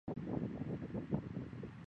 是晋煤外运的南通路之一。